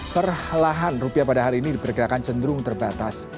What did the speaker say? perlahan rupiah pada hari ini diperkirakan cenderung terbatas